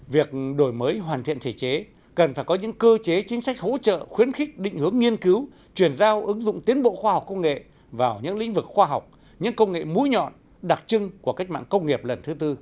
việc đổi mới hoàn thiện thể chế cần phải có những cơ chế chính sách hỗ trợ khuyến khích định hướng nghiên cứu chuyển giao ứng dụng tiến bộ khoa học công nghệ vào những lĩnh vực khoa học những công nghệ mũi nhọn đặc trưng của cách mạng công nghiệp lần thứ tư